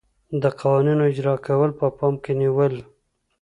د قوانینو اجرا کول په پام کې نیول.